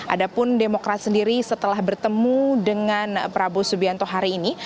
adapun demokrat sendiri setelah bertemu dengan prabowo subianto hari ini